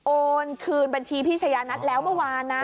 โอนคืนบัญชีพี่ชายานัทแล้วเมื่อวานนะ